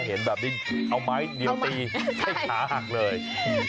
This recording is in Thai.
เห็นแบบนี้เอาไม้เดียวตีให้ขาหักเลย